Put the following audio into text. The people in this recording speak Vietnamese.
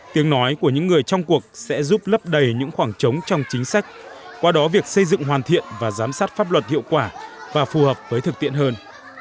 tiếng nói của những người trong cuộc sẽ giúp lấp đầy những khoảng trống trong chính sách qua đó việc xây dựng hoàn thiện và giám sát pháp luật hiệu quả và phù hợp với thực tiễn hơn